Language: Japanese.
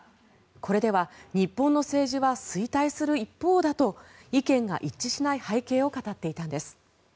これでは日本の政治は衰退する一方だと意見が一致しない背景を語っていたんです。